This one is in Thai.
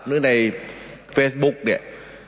หรือในเฟซบุ๊กเนี่ย